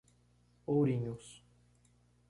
Ourinhos